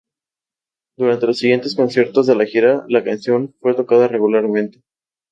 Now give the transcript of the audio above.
Durante los siguientes conciertos de la gira la canción fue tocada regularmente.